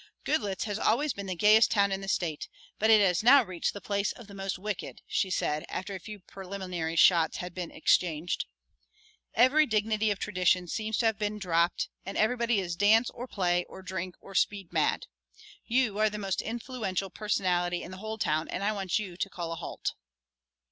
"Goodloets has always been the gayest town in the state, but it has now reached the place of the most wicked," she said, after a few preliminary shots had been exchanged. "Every dignity of tradition seems to have been dropped and everybody is dance or play or drink or speed mad. You are the most influential personality in the whole town and I want you to call a halt."